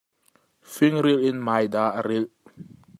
Fingrilh in meida a rilh.